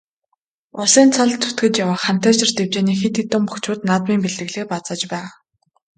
Улсын цолд зүтгэж яваа Хантайшир дэвжээний хэд хэдэн бөхчүүд наадмын бэлтгэлээ базааж байгаа.